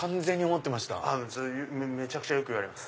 めちゃくちゃよく言われます。